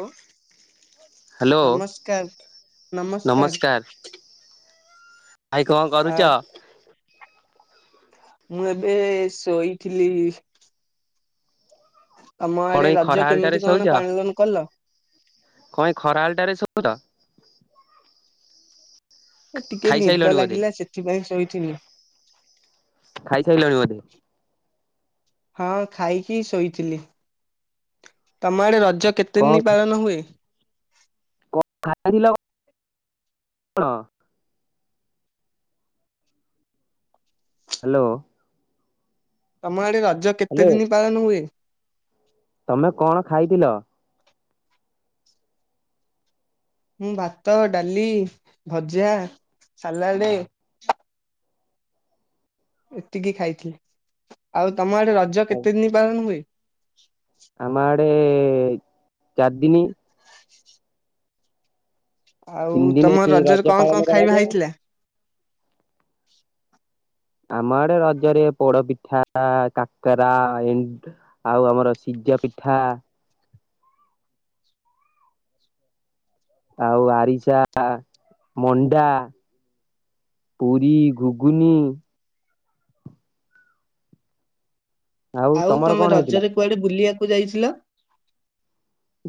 ଓ hello [inaudible] ନମସ୍କାର ନମସ୍କାର। [unintelligible] I କଣ ଆ କରୁଛ? ମୁଁ ଏବେ ଶୋଇଥିଲି। ତମ କଣ ଆଡେ ଏଇ ରଜ ଖରାବେଳଟାରେ କେମିତି ଶୋଉଛ? କଣ ପାଲନ କଲ? କଣ ଏ ଖରା ବେଳଟାରେ [unintelligible] ଟିକେ ନିଦ ଖାଇସାଇଲଣି ବୋଧେ ଲାଗିଲା ସେଥିପାଇଁ ଶୋଇଥିଲି। ଖାଇ ସାରିଲଣି ବୋଧେ? ହଁ ଖାଇକି ଶୋଇଥିଲି। ତମ ଆଡ଼େ ରଜ କେତେ ଦିନ କଣ ପାଳନ ହୁଏ? କଣ ଖାଇଥିଲ [unintelligible] କଣ? ହ୍ୟାଲୋ। ତମ ଆଡେ ରଜ କେତେ ହ୍ୟାଲୋ ଦିନି ପାଳନ ହୁଏ? ତମେ କଣ ଖାଇଥିଲ? ମୁଁ ଭାତ, ଡାଲି, ଭଜା, ସାଲାଡେ। ଏତିକି ଖାଇଥିଲି ଆଉ ତମ ଆଡେ ରଜ କେତେ ଦିନି ପାଳନ ହୁଏ? ଆମ ଆଡେ ଚାରିଦିନୀ। ଆଉ ତିନି ତମ ଦିନି ରଜରେ ରଜ କଣ ପାଳନ କଣ ଖାଇବା କରାଯାଏ ହେଇଥିଲା? [inaudible] ଆମ ଆଡେ ରଜରେ ପୋଡ ପିଠା କାକରା ଏ ଆଉ ଆମର ସିଜା ପିଠା। ଆଉ ଆରିସା, ମଣ୍ଡା। ପୁରୀ, ଘୁଘୁନି। ଆଉ ତମର ତମେ କଣ ହେଇଥିଲା? ରଜରେ କୁଆଡେ ବୁଲିବାକୁ ଯାଇଥିଲ?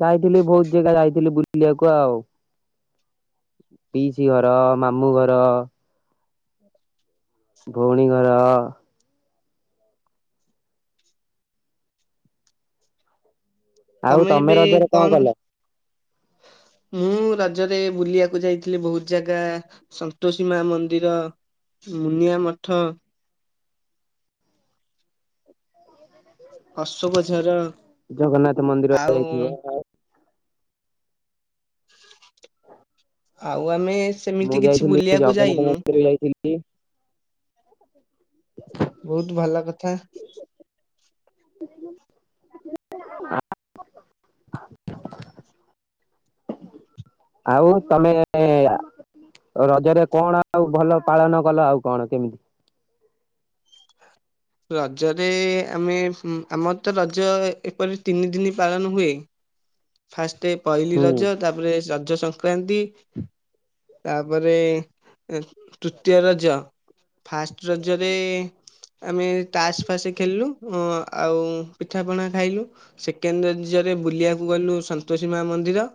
ଯାଇଥିଲି ବହୁତ ଜାଗା ଯାଇଥିଲି ବୁଲିବାକୁ ଆଉ। ପିଇସି ଘର, ମାମୁଁ ଘର। ଭଉଣୀ ଘର। ଆଉ ତମେ ଏବେ ରଜରେ କଣ? କଲ? ମୁଁ ରଜରେ ବୁଲିଆକୁ ଯାଇଥିଲି ବହୁତ ଜାଗା। ସନ୍ତୋଷୀ ମା ମନ୍ଦିର ମୁନିଆ ମଠ। ଅଶୋକ ଝର। ଜଗନ୍ନାଥ ମନ୍ଦିର ତ ଆଉ ଯାଇଥିବ ଆଉ। ଆଉ ଆମେ ମୁଁ ସେମିତି କିଛି ଯାଇଥିଲି ବୁଲିବାକୁ ଜଗନ୍ନାଥ ଯାଇନୁ ମନ୍ଦିର ଯାଇଥିଲି। ବହୁତ ଭଲ କଥା। [inaudible] ଆଉ ତମେ ରଜରେ କଣ ଆଉ ଭଲ ପାଳନ କଲ ଆଉ କଣ କେମିତି? ରଜରେ ଆମେ ଆମର ତ ରଜ ଏପରି ତିନି ଦିନ ପାଳନ ହୁଏ। ଫାଷ୍ଟଏ ପହଲିି ହୁଁ ରଜ ତାପରେ ରଜ ସଂକ୍ରାନ୍ତି। ତାପରେ ତୃତୀୟ ରଜ। ଫାଷ୍ଟ ରଜରେ ଆମେ ତାସ ଫାସ ଖେଳିଲୁ ଆଉ ପିଠାପଣା ଖାଇଲୁ। ସେକେଣ୍ଡ ରଜରେ ବୁଲିଆକୁ ଗଲୁ ସନ୍ତୋଷୀ ମା ମନ୍ଦିର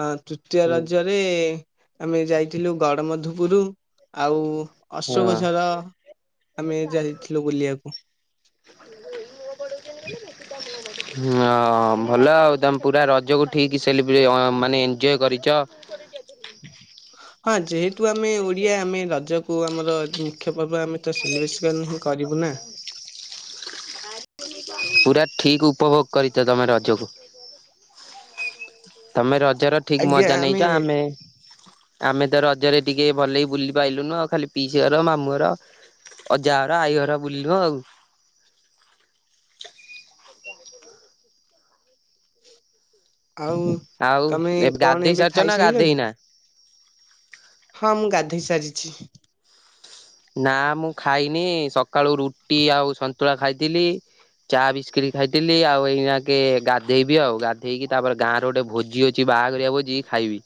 ଆ ତୃତୀୟ ହୁଁ ରଜ ରେ ଆମେ ଯାଇଥିଲୁ ଗଡ ମଧୁପରୁ ଆଉ ହଁ ଅଶୋକଝର ଆମେ ଯାଇଥିଲୁ ବୁଲିଆକୁ। ହ ଭଲ ଆଉ ତମ ପୁରା ରଜକୁ ଠିକ ସେଲିବ୍ରେ ମାନେ ଏଞ୍ଜୟ କରିଚ। ହଁ ଯେହେତୁ ଆମେ ଓଡିଆ ଆମେ ରଜକୁ ଆମର ମୁଖ୍ୟ ପର୍ବ ଆମେ ତ ସିଲେବ୍ରେସନ୍ ହିଁ କରିବୁ ନା। [inaudible] [inaudible] ପୁରା ଠିକ୍ ଉପଭୋଗ କରିଛ ତମେ ରଜକୁ। ତମେ ରଜର ଠିକ ମଜା ନେଇଚ ଆମେ ଆମେ ତ ରଜରେ ଟିକେ ଭଲଇ ବୁଲି ପାଇଲୁନୁ ଆ ଖାଲି ପିଇସିଘର ମାମୁଁଘର। ଅଜା ଘର ଆଈ ଘର ବୁଲିଲୁ ଆଉ। ଆଉ ଆଉ ତମେ ଏବ କଣ ଗାଧେଇ ଏବେ ସାରିଛ ନା ଖାଇସାରିଲଣି? ଗାଧେଇନା? ହଁ ମୁଁ ଗାଧେଇ ସାରିଛି। ନା ମୁଁ ଖାଇନି ସକାଳୁ ରୁଟି ଆଉ ସନ୍ତୁଳା ଖାଇଥିଲି। ଚା ବିସ୍କିଟ ଖାଇଥିଲି ଆଉ ଏଇ ନାକେ ଗାଧେଇବି ଆଉ ଗାଧେଇକି ତାପରେ ଗାଁରେ ଗୋଟେ ଭୋଜି ଅ ଛି ବାହାଘରିଆ ଭୋଜି ଖାଇବି।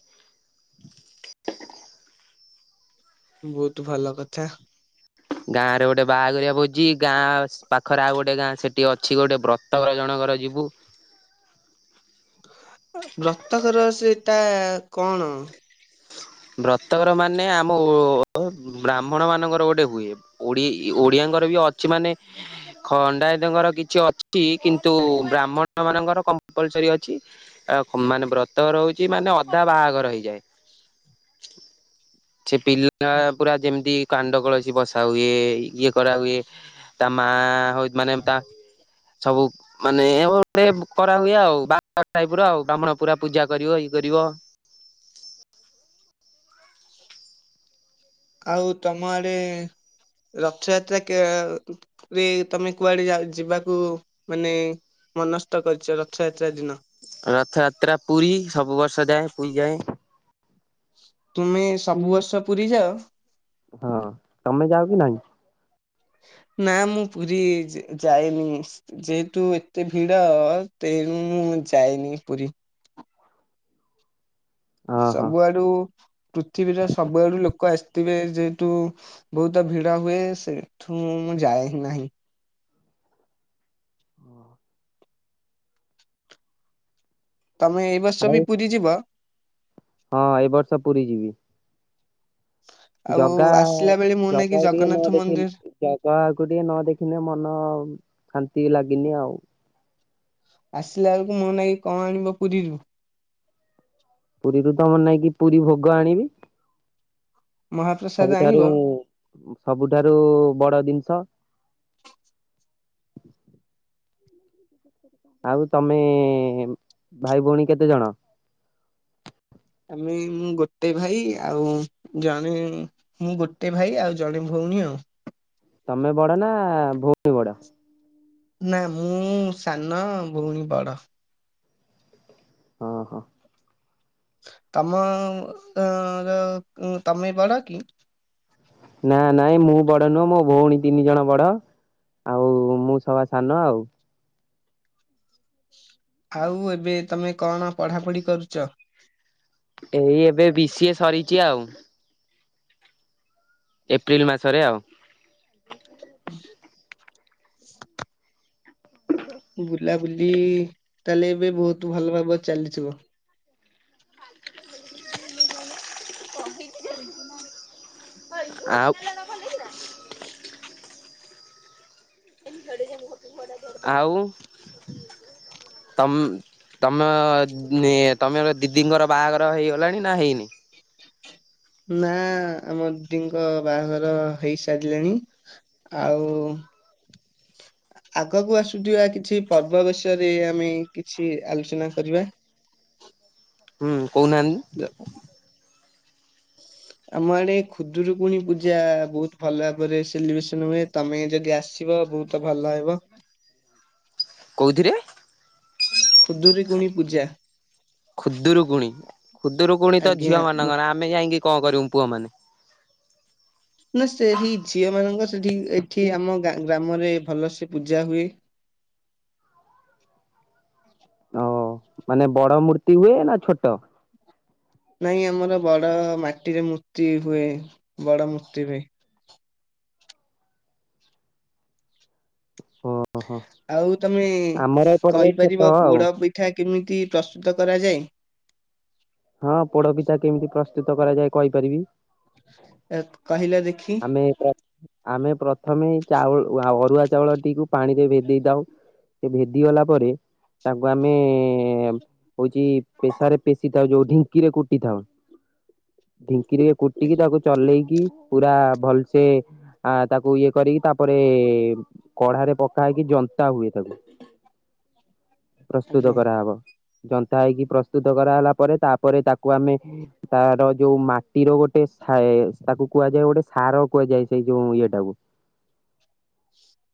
ବହୁତ ଭଲ କଥା। ଗାଁ ରେ ଗୋଟେବାହାଘରିଆ ଭୋଜି ଗାଁ ପାଖରେ ଆଉ ଗୋଟେ ଗାଁ ସେଠି ଅଛି ଗୋଟେ ବ୍ରତଘର ଜଣକର ଯିବୁ। ବ୍ରତଘର ସେଟା କଣ? ବ୍ରତଘର ମାନେ ଆମ ଓ ବ୍ରାହ୍ମଣ ମାନଙ୍କର ଗୋଟେ ହୁଏ ଓଡି ଓଡିଆଙ୍କର ବି ଅଛି ମାନେ ଖଣ୍ଡାୟାତଙ୍କର କିଛି ଅଛି କିନ୍ତୁ ବ୍ରାହ୍ମଣ ମାନଙ୍କର କମ୍ପଲସରି ଅଛି। ଆ ମାନେ ବ୍ରତଘର ହଉଛି ମାନେ ଅଧା ବାହାଘର ହେଇଯାଏ। ସେ ପିଲା ପୁରା ଯେମିତି କାଣ୍ଡ କଳସୀ ବସା ହୁଏ ଇଏ କରା ହୁଏ ତା ମା ହ ମାନେ ତା ସବୁ ମାନେ ଗୋଟେ କରା ହୁଏ ଆଉ ବାହାଘର ଟାଇପ ର ଆଉ ବ୍ରାହ୍ମଣ ପୁରା ପୂଜା କରିବ ଇଏ କରିବ। ଆଉ ତମ ଆଡେ ରଥଯାତ୍ରା କେ ଏ ରେ ତମେ କୁଆଡେ ଯାଉ ଯିବାକୁ ମାନେ ମନସ୍ଥ କରିଛ ରଥଯାତ୍ରା ଦିନ? ରଥଯାତ୍ରା ପୁରୀ ସବୁ ବର୍ଷ ଯାଏ ପୁଇଁ ଯାଏ। ତୁମେ ସବୁ ବର୍ଷ ପୁରୀ ଯାଅ? ହଁ ତମେ ଯାଉ କି ନାହିଁ? ନା ମୁଁ ପୁରୀ ଯି ଯାଇନି। ଯେହେତୁ ଏତେ ଭିଡ ତେଣୁ ମୁଁ ଯାଇନି ପୁରୀ। ଓହୋ ସବୁଆଡୁ ପୃଥିବୀର ସବୁଆଡୁ ଲୋକ ଆସିଥିବେ ଯେହେତୁ ବହୁତ ଭିଡ ହୁଏ ସେଠୁ ମୁଁ ଯାଏ ହିଁ ନାହିଁ। ତମେ ଏଇ ବର୍ଷ ଆଉ ବି ପୁରୀ ଯିବ? ହଁ ଏ ବର୍ଷ ପୁରୀ ଯିବି। ଆଉ ଜଗା ଆସିଲା ବେଳେ ମୋ ନାଗି ଜଗାକୁ ଟିକେ ଜଗନ୍ନାଥ ନ ମନ୍ଦିର ଦେଖିଲେ ଜଗାକୁ ଟିକେ ନ ଦେଖିଲେ ମନ ଶାନ୍ତି ବି ଲାଗେନି ଆଉ। ଆସିଲା ବେଳକୁ ମୋ ନାଇ କଣ ଆଣିବ ପୁରୀରୁ? ପୁରୀରୁ ତମ ନାଗି ପୁରୀ ଭୋଗ ଆଣିବି। ମହାପ୍ରସାଦ ଆଣିବ ସବୁଠାରୁ ସବୁଠାରୁ ବଡ ଜିନିଷ। ସ [unintelligible] ଆଉ ତମେ ଭାଇ ଭଉଣୀ କେତେ ଜଣ? ଆମେ ମୁଁ ଗୋଟେ ଭାଇ ଆଉ ଜଣେ ମୁଁ ଗୋଟେ ଭାଇ ଆଉ ଜଣେ ଭଉଣୀ ଆଉ। ତମେ ବଡ ନା ଭଉଣୀ ବଡ? ନା ମୁଁ ସାନ ଭଉଣୀ ବଡ। ହଁ ହଁ। ତମ ର ତମେ ବଡ କି? ନା ନାଇଁ ମୁଁ ବଡ ନୁହଁ ମୋ ଭଉଣୀ ତିନି ଜଣ ବଡ। ଆଉ ମୁଁ ସବା ସାନ ଆଉ। ଆଉ ଏବେ ତମେ କଣ ପଢାପଢି କରୁଛ? ଏଇ ଏବେ ବି ସିଏ ସରିଛି ଆଉ। ଏପ୍ରିଲ ମାସରେ ଆଉ। ହୁଁ [unintelligible] ବୁଲାବୁଲି ତାହେଲେ ଏବେ ବହୁତ ଭଲ ଭାବରେ ଚାଲିଥିବ। ଆଉ। ଆଉ ତମ୍ ତମ ଏ ତମେ ଦିଦିଙ୍କର ବାହାଘର ହେଇଗଲାଣି ନା ହେଇନି? ନା ଆମ ଦିଦିଙ୍କ ବାହାଘର ହେଇସାରିଲେଣି ଆଉ ଆଗକୁ ଆସୁଥିବା କିଛି ପର୍ବ ବିଷୟରେ ଆମେ କିଛି ଆଲୋଚନା କରିବା। ହୁଁ କହୁନାହାନ୍ତି। ଯ [unintelligible] ଆମ ଆଡେ ଖୁଦୁରୁକୁୁଣି ପୂଜା ବହୁତ ଭଲ ଭାବରେ ସେଲିବ୍ରେସନ ହୁଏ ତମେ ଯଦି ଆସିବ ବହୁତ ଭଲ ହେବ। କୋଉଥିରେ? ଖୁଦୁୁରୀଗୁଣି ପୂଜା। ଖୁଦୁରୁକୁୁଣି ଖୁଦୁରୁକୁୁଣି ତ ଆଜ୍ଞା ଝିଅ ମ- ମାନଙ୍କ ନା ଆମେ ଯାଇକି କଣ କରିବୁ ପୁଅ ମାନେ? ନା ସେଠି ଝିଅ ମାନଙ୍କର ସେଠି ଏଠି ଆମ ଗ୍ରାମରେ ଭଲସେ ପୂଜା ହୁଏ। ଓ ମାନେ ବଡ ମୂର୍ତ୍ତି ହୁଏ ନା ଛୋଟ? ନାଇଁ ଆମର ବଡ ମାଟିରେ ମୂର୍ତ୍ତି ହୁଏ ବଡ ମୂର୍ତ୍ତି ହୁଏ। ଓହୋ ଆଉ ତମେ ଆମର ଏପଟରେ ଛୋଟ କହିପାରିବ ଆଉ। ପୋଡ ପି ପିଠା କେମିତି ପ୍ରସ୍ତୁତ କରାଯାଏ? ହଁ ପୋଡପିଠା କେମିତି ପ୍ରସ୍ତୁତ କରାଯାଏ କହିପାରିବି? ଏ କହିଲ ଦେଖି ଆମେ ଆମେ ପ୍ରଥମେ ଚାଉଳ ଅରୁଆ ଚାଉଳଟିକୁ ପାଣିରେ ଭେଦେଇ ଦଉ ସେ ଭେଦି ଗଲା ପରେ ତାକୁ ଆମେ ହଉଛି ପେସାରେ ପେସ୍ ଥାଉ ଯୋଉ ଢିଙ୍କିରେ କୁଟି ଥାଉ ଢିଙ୍କିରେ କୁଟିକି ତାକୁ ଚଲେଇକି। ପୁରା ଭଲସେ। ଆ ତାକୁ ଇଏ କରିକି ତାପରେ କଢାରେ ପକା ହେଇକି ଜନ୍ତା ହୁଏ ତାକୁ। ପ୍ରସ୍ତୁତ ଆଜ୍ଞା କରାହବ। ଯନ୍ତା ହେଇକି ପ୍ରସ୍ତୁତ କରାହେଲା ପରେ ତାପରେ ତାକୁ ଆମେ ତାର ଯୋଉ ମାଟିର ଗୋଟେ ତାକୁ କୁହାଯାଏ ଗୋଟେ ସାର କୁହାଯାଏ ସେଇ ଯୋଉ ଇଏଟାକୁ।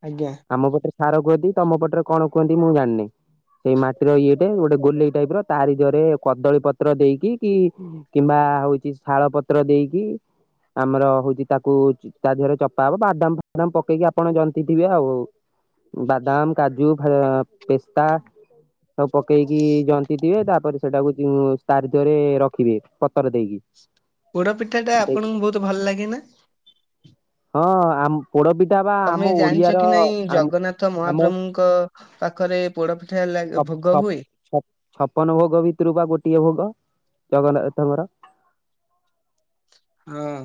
ଆଜ୍ଞା। ଆମ ପଟରେ ସାର କୁହନ୍ତି ତମ ପଟରେ କଣ କୁହନ୍ତି ମୁଁ ଜାଣିନି। ସେଇ ମାଟିର ଇଏରେ ଗୋଟେ ଗୋଲେଇ ଟାଇପ ର ତାରି ଜରେ କଦଳୀ ପତ୍ର ଦେଇକି କି କିମ୍ବା ହଉଛି ଶାଳ ପତ୍ର ଦେଇକି ଆମର ହଉଛି ତାକୁ ତା ଦେହରେ ଚପା ହବ ବାଦାମ ଫାଡାମ ପକେଇକି ଆପଣ ଜନ୍ତି ଥିବେ ଆଉ। ବାଦାମ କାଜୁ ଫାଲ- ପେସ୍ତା। ସବୁ ପକେଇକି ଜନ୍ତି ଥିବେ ତାପରେ ସେଟାକୁ ଯୋ ତାରିଦିହରେ ରଖିବେ ପତର ଦେଇକି। ପୋଡପିଠା ଟା ଆପଣଙ୍କୁ ବହୁତ ଭଲ ଲାଗେ ନା? ହଁ ଆମ ପୋଡ ପିଠା ବା ଆମ ତମେ ଜାଣିଛ ଓଡିଆର କି ନାଇଁ ଆମ ଜଗନ୍ନାଥ ଆମ ମହାପ୍ରଭୁଙ୍କ ପାଖରେ ପୋଡପିଠା ଲାଗ ଭୋଗ ହୁଏ। ଛା ଛପନ ଭୋଗ ଭିତରୁ ବା ଗୋଟିଏ ଭୋଗ ଜଗନ୍ନାଥଙ୍କର। ହଁ।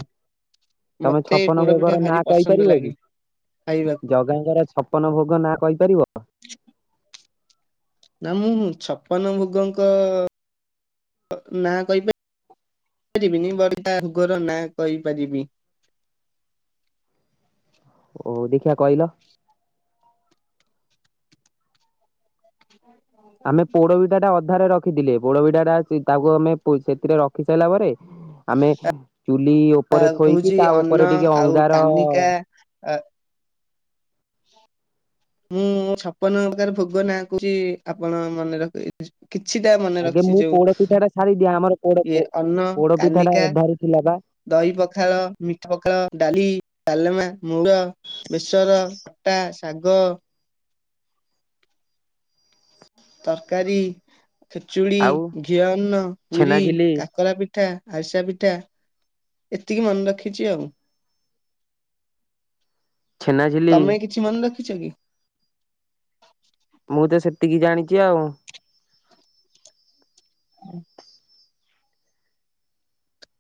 ତମେ ମତେ ଛପନ ପୋଡପିଠା ଭୋଗର ନାଁ ଭାରି ପସନ୍ଦ କହିପାରିବ କି? ଲାଗେ ଖାଇବାକୁ। ଜଗାଙ୍କର ଛପ- ପନ ଭୋଗ ନାଁ କହିପାରିବ? ନା ମୁଁ ଛପନ ଭୋଗଙ୍କ ନାଁ କହିପାର ପାରିବିନି ବଟ ତାଙ୍କରଭୋଗର ନାଁ କହିପାରିବି। ଓ ଦେଖିିବା କହିଲ? ଆମେ ପୋଡପିଠାଟା ଅଧାରେ ରଖିଥିଲେ। ପୋଡପିଠା ସେ ତାକୁ ଆମେ ପୁ ସେଥିରେ ରଖି ସାରିଲା ପରେ। ଆମେ ଚୁଲି ଉପରେ ଥୋଇକି ହଉଛି ତା ଅନ୍ନ ଉପରେ ଟିକେ ଆଉ ଅଙ୍ଗାର କାନିକା ଆ ମୁଁ ଛପନ ପ୍ରକାର ଭୋଗ ନାଁ କହୁଛି ଆପଣ ମନେ ରଖିବେ। କିଛିଟା ମନେ ଆଗେ ରଖଛି ମୁଁ ଯୋଉ ପୋଡ ପିଠା ଟା ସାରିଦିଏ ଆମର ପୋଡ ଇଏ ଅନ୍ନ ପୋଡ ପିଠା ଟା କାନିକା ଅଧାରେ ଥିଲା ବା ଦହି ପଖାଳ, ମିଠ ପଖାଳ, ଡାଲି, ଡାଲମା, ମୁଡ, ବେସର ଟା, ଶାଗ। ତରକାରୀ, ଖେଚୁଡି, ଆଉ ଘିଅଅନ୍ନ, ପୁରି, ଛେନାଝିଲି କାକରା ପିଠ ଠା, ଆରିଷା ପିଠା ଏତିକି ମନେ ରଖିଚି ଆଉ। ଛେନାଝିଲି ତମେ କିଛି ମନେ ରଖିଛ କି? ମୁଁ ତ ସେତିକି ଜାଣିଚି ଆଉ।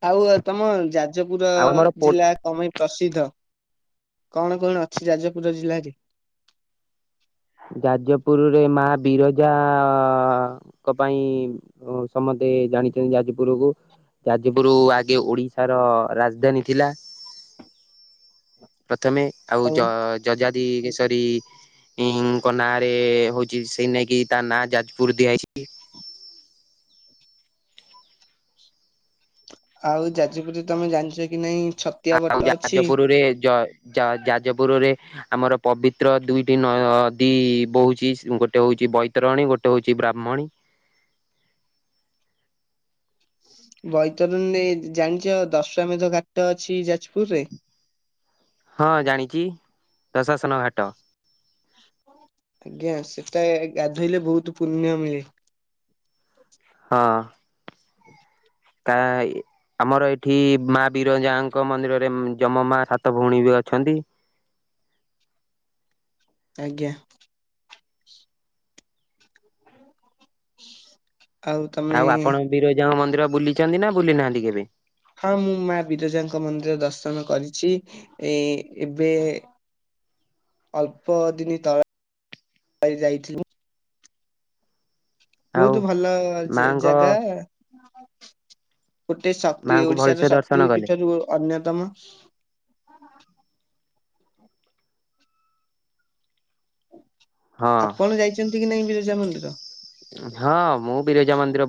ଆଉ ତମ ଯାଜପୁର ଆଉ ଆମର ପୋ ଜିଲ୍ଲା କମେଇ ପ୍ରସିଦ୍ଧ କଣ କଣ ଅଛି ଯାଜପୁର ଜିଲ୍ଲାରେ? ଯାଜପୁରୁ ରେ ମା ବିରଜା ଙ୍କ ପାଇଁ ସମତେ ଜାଣିଚନ୍ତି ଯାଜପୁରକୁ। ଯାଜପୁରୁ ଆଗେ ଓଡିଶାର ରାଜଧାନୀ ଥିଲା। ପ୍ରଥମେ ଆଉ ଯ ଜଜାଦିକେଶରୀ ହୁଁ ପହ୍ନାରେ ହଉଚି ସେଇନାଇକି ତା ନାଁ ଯାଜପୁର ଦିଆଯାଇଛି। ଆଉ ଯାଜପୁରେ ତମେ ଜାଣିଚ କି ନାଇଁ ଛତ ଆଉ ଯାଜପୁରରେ ଜ ଜା ଯାଜପୁରରେ ଆମର ପବିତ୍ର ଦୁଇଟି ନୟଦୀ ବୋହୁଛି ଗୋଟେ ହଉଛି ବୈତରଣୀ ଗୋଟେ ହଉଛି ବ୍ରାହ୍ମଣୀ। ବୈତରଣୀରେ ଜାଣିଚ ଦଶ୍ଵାମେଧ ଘାଟ ଅଛି ଯାଜପୁର ରେ? ହଁ ଜାଣିଚି ଦଶାସନ ଘାଟ। ଆଜ୍ଞା ସେଟା ଗାଧୋଇଲେ ବହୁତ୍ ପୁନ୍ୟ ମିଳେ। ହଁ। ତାଇ ଆମର ଏଠି ମା ବିରଜାଙ୍କ ମନ୍ଦିରରେ ଯମ ମା ସାତ ଭଉଣୀ ବି ଅଛନ୍ତି। ଆଜ୍ଞା। ଆଉ ଆପଣ ବିରଜାଙ୍କ ମନ୍ଦିର ବୁଲିଛନ୍ତି ନାଁ ବୁଲି ନାହାନ୍ତି କେବେ? ହଁ ମୁଁ ମା ବିରଜାଙ୍କ ମନ୍ଦିର ଦର୍ଶନ କରିଛି। ଏ ଏବେ ଅଳ୍ପ ଦିନି ତଳ- ଏ ଯାଇଥିଲି। ଆଉ ବହୁତୁ ଭଲ ଯେ ମାଙ୍କ ଜାଗା। ଗୋଟେ ଶକ୍ତି ମାଙ୍କୁ ଓଡିଶାର ଭଲସେ ଦର୍ଶନ ଶକ୍ତି କଲେ? ପୀଠରୁ ଅନ୍ୟତମ। ହଁ ଆପଣ ଯାଇଚନ୍ତି କି ନାଇଁ ବିରଜା ମନ୍ଦିର? ହଁ ମୁଁ ବିରଜା ମନ୍ଦିର